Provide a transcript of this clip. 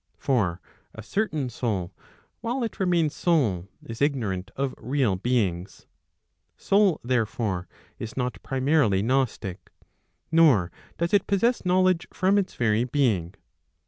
For a certain soul while it remains soul, is ignorant of [jreal] beings. Soul therefore, is not primarily gnostic, nor does it possess knowledge from its very being.